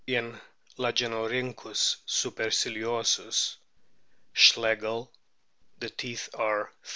In Lagenorkynckus super ciliosus, Schlegel, \ the teeth are 30.